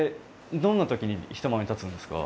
どんな時に人前に立つんですか？